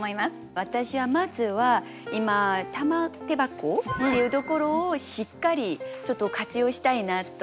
私はまずは今「玉手箱」っていうところをしっかりちょっと活用したいなと。